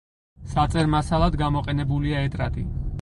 საწერ მასალად გამოყენებულია ეტრატი.